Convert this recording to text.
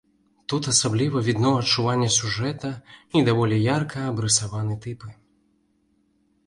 Тут асабліва відно адчуванне сюжэта і даволі ярка абрысаваны тыпы.